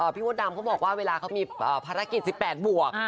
พี่มดดำเค้าบอกเวลาเค้ามีภารกิจ๑๘บวก